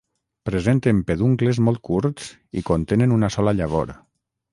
Presenten peduncles molt curts i contenen una sola llavor.